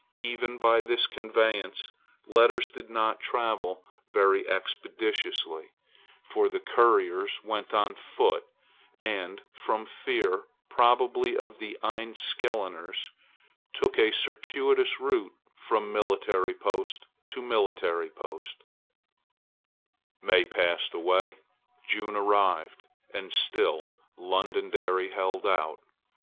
Even by this conveyance letters did not travel very expeditiously: for the couriers went on foot; and, from fear probably of the Enniskilleners, took a circuitous route from military post to military post, May passed away: June arrived; and still Londonderry held out.